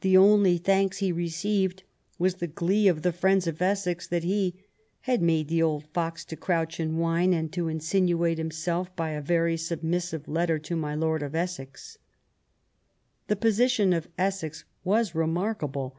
The only thanks he received was the glee of the friends of Essex that he " had made the old fox to crouch and whine, and to insinuate himself by a very submissive letter to my Lord of Essex ". The position of Essex was remarkable.